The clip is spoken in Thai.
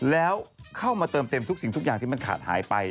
แล้วเข้ามาเติมเต็มทุกสิ่งทุกอย่างที่มันขาดหายไป